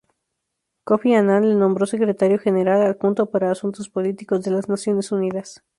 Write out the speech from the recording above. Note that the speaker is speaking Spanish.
Kofi Annan le nombró secretario general adjunto para Asuntos Políticos de las Naciones Unidas.